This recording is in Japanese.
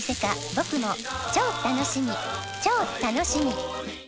僕も超楽しみ超楽しみ！